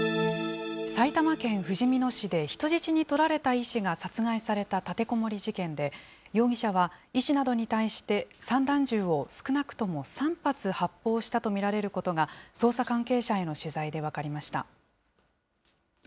埼玉県ふじみ野市で人質に取られた医師が殺害された立てこもり事件で、容疑者は医師などに対して散弾銃を少なくとも３発発砲したと見られることが、捜査関係者への取材で分かりました。